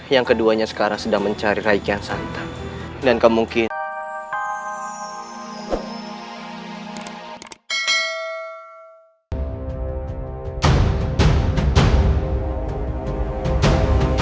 yang keduanya sekarang sedang mencari rakyat santan dan kemungkinan